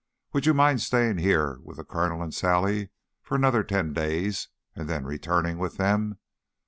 Would you mind staying here with the Colonel and Sally for another ten days and then returning with them?